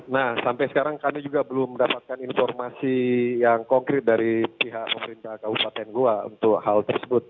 nah sampai sekarang kami juga belum mendapatkan informasi yang konkret dari pihak pemerintah kabupaten goa untuk hal tersebut